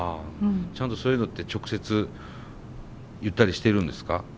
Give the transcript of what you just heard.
ちゃんとそういうのって直接言ったりしているんですか？